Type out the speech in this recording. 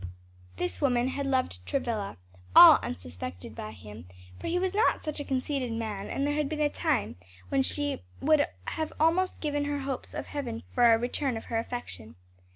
This woman had loved Travilla all unsuspected by him, for he was not a conceited man and there had been a time when she would have almost given her hopes of heaven for a return of her affection.